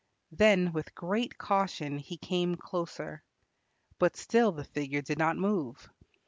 Then with great caution he came closer. But still the figure did not move.